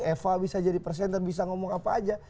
eva bisa jadi presenter bisa ngomong apa aja